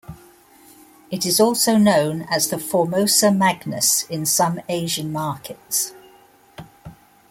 It is also known as the Formosa Magnus in some Asian markets.